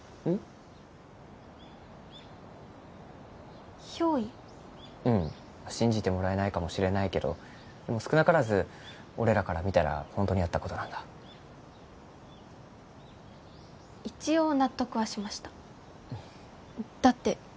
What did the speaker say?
うん信じてもらえないかもしれないけどでも少なからず俺らから見たらホントにあったことなんだ一応納得はしましただって